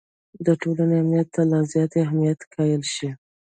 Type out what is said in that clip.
د ټولنې امنیت ته لا زیات اهمیت قایل شي.